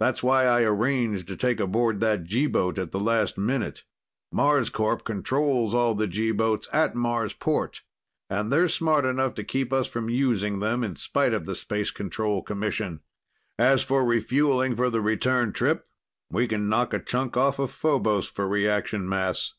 That's why I arranged to take aboard that G boat at the last minute. Marscorp controls all the G boats at Marsport, and they're smart enough to keep us from using them, in spite of the Space Control Commission. As for refueling for the return trip, we can knock a chunk off of Phobos for reaction mass."